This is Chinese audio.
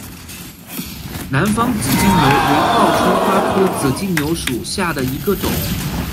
南方紫金牛为报春花科紫金牛属下的一个种。